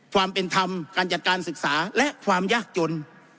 ความเป็นธรรมการจัดการศึกษาและความยากจน